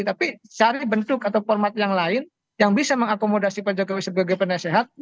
tapi cari bentuk atau format yang lain yang bisa mengakomodasi pak jokowi sebagai penasehat